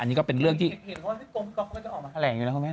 อันนี้ก็เป็นเรื่องที่เห็นเพราะว่าที่กรมกรก็จะออกมาแถลงอยู่นะครับ